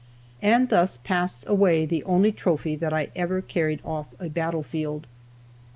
And thus passed away the only trophy that I ever carried off a battlefield.